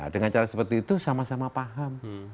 dengan cara seperti itu sama sama paham